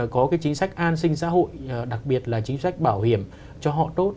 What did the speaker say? có cái chính sách an sinh xã hội đặc biệt là chính sách bảo hiểm cho họ tốt